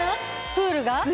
プールが？